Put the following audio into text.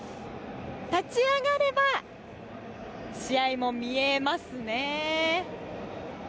立ち上がれば試合も見えますね。